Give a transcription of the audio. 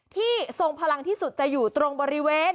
ทรงพลังที่สุดจะอยู่ตรงบริเวณ